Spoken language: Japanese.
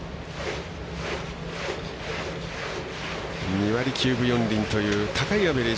２割９分４厘という高いアベレージ